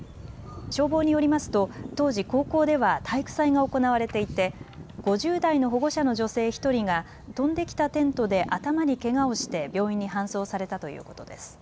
消防によりますと当時、高校では体育祭が行われていて５０代の保護者の女性１人が飛んできたテントで頭にけがをして病院に搬送されたということです。